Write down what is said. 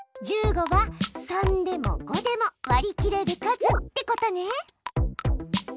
１５は３でも５でも割り切れる数ってことね！